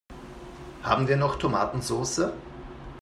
Haben wir noch Tomatensoße?